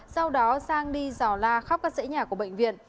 sau đó sang đi rò la khắp các sễ nhà của bệnh viện